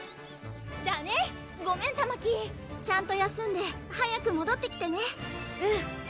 だねごめんたまきちゃんと休んで早くもどってきてねうん！